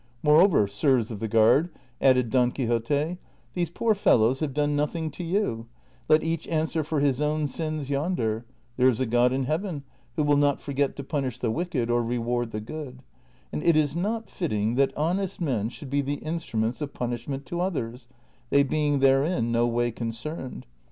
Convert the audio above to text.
Moreover, sirs of the guard," added Don Quixote, " these poor fellows have done nothing to you ; let each answer for his own sins yonder ; there is a God in heaven who will not forget to punish the wicked or reward the good ; and it is not fitting that honest men should be the instruments of punish ment to others, they being therein no way concerned.